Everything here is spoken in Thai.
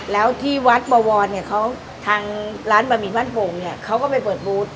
แล้วที่วัดบวรเนี่ยเขาทางร้านบะหมี่บ้านโป่งเนี่ยเขาก็ไปเปิดบูธ